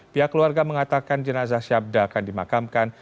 pihak keluarga mengatakan jenazah syabda akan dimakamkan